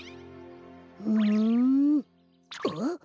ふんんっ？